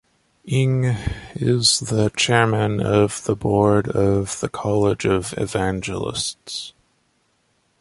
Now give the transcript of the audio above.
Inge is chairman of the board of the College of Evangelists.